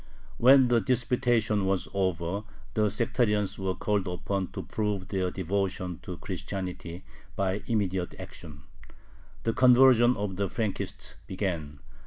When the disputation was over, the sectarians were called upon to prove their devotion to Christianity by immediate action. The conversion of the Frankists began.